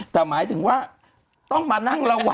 แต่หมายถึงว่าต้องมานั่งระวัง